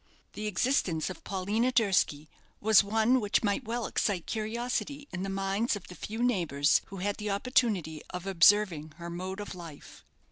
The existence of Paulina Durski was one which might well excite curiosity in the minds of the few neighbours who had the opportunity of observing her mode of life.